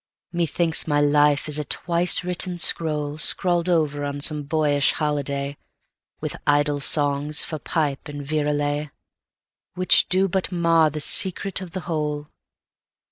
—Methinks my life is a twice written scrollScrawled over on some boyish holidayWith idle songs for pipe and virelayWhich do but mar the secret of the whole.